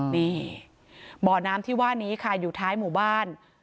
นี่บ่อน้ำที่ว่านี้ค่ะอยู่ท้ายหมู่บ้าน